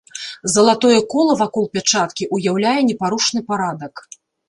Залатое кола вакол пячаткі ўяўляе непарушны парадак.